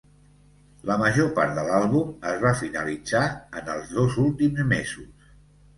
La major part de l"àlbum es va finalitzar en els dos últims mesos.